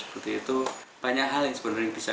seperti itu banyak hal yang sebenarnya bisa